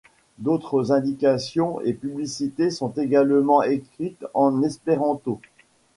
D’autres indications et publicités sont également écrites en espéranto.